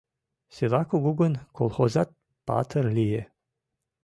Села кугу гын, колхозат патыр лие.